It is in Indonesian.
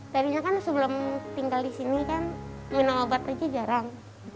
tadinya kan sebelum tinggal di sini kan minum obat aja jarang